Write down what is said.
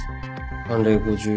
判例５４。